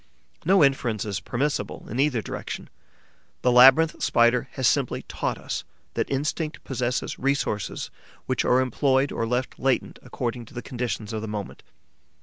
No inference is permissible in either direction. The Labyrinth Spider has simply taught us that instinct possesses resources which are employed or left latent according to the conditions of the moment.